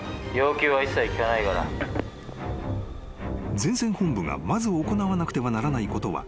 ☎☎［前線本部がまず行わなくてはならないことは２つ］